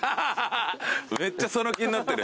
めっちゃその気になってる。